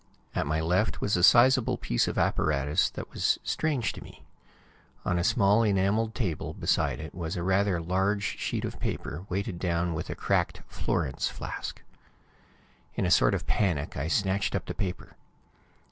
At my left was a sizable piece of apparatus that was strange to me; on a small enameled table beside it was a rather large sheet of paper, weighted down with a cracked Florence flask. In a sort of panic, I snatched up the paper.